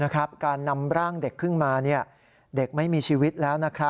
การนำร่างเด็กขึ้นมาเด็กไม่มีชีวิตแล้ว